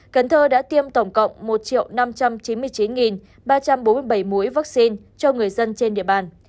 cần thơ đã tiêm tổng cộng một năm trăm chín mươi chín ba trăm bốn mươi bảy mũi vaccine cho người dân trên địa bàn